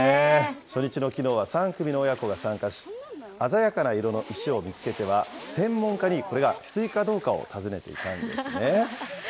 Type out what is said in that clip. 初日のきのうは３組の親子が参加し、鮮やかな色の石を見つけては、専門家に、これがヒスイかどうかをたずねていたんですね。